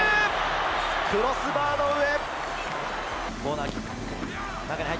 クロスバーの上。